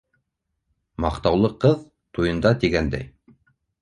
Маҡтаулы ҡыҙ - туйында, тигәндәй.